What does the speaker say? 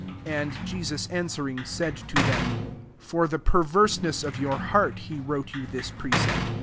5 And Jesus answering, said to them, *«For the perverse ness of your heart, be wi^e you this precept.